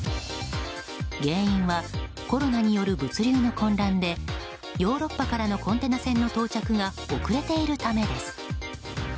原因はコロナによる物流の混乱でヨーロッパからのコンテナ船の到着が遅れているためです。